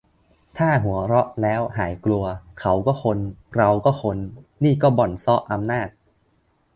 ถ้าหัวเราะแล้วหายกลัว เขาก็คน เราก็คน นี่ก็บ่อนเซาะอำนาจ